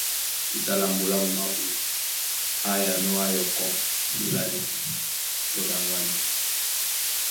É tá lambo lá momé ábū á yánɔ̄ á yɔkɔ́ ɓolanɛ tɔ ɗaŋgwanɛ.